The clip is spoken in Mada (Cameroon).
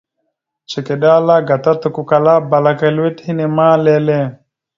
Cikiɗe ala gata takukala balak aka lʉwet hine ma lele.